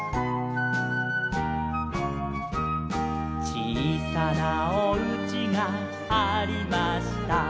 「ちいさなおうちがありました」